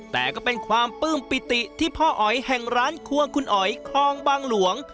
แต่ก็เป็นความปลื้มปิติที่พ่ออ๋อยแห่งร้านควงคุณอ๋อยคลองบางหลวง